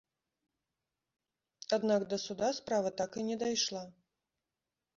Аднак да суда справа так і не дайшла.